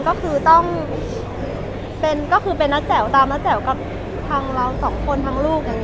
ก็คือทางด้านภินัยกรรมก็คือเป็นนักแจ่วกับทางเรา๒คนทางลูก